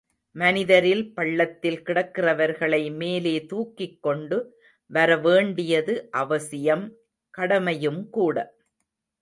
மனிதரில் பள்ளத்தில் கிடக்கிறவர்களை மேலே தூக்கிக் கொண்டு வரவேண்டியது அவசியம்., கடமையும் கூட!